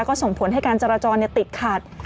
ก็ส่งผลให้การจรจรเนี่ยติดขัด